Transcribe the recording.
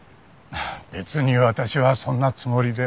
別に私はそんなつもりでは。